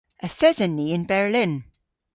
Yth esen ni yn Berlin.